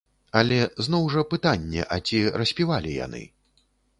Але зноў жа пытанне, а ці распівалі яны?